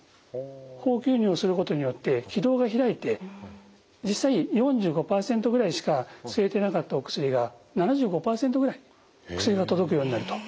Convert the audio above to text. ホー吸入をすることによって気道が開いて実際４５％ぐらいしか吸えてなかったお薬が７５％ぐらい薬が届くようになると。